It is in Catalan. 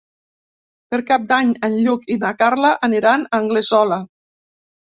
Per Cap d'Any en Lluc i na Carla aniran a Anglesola.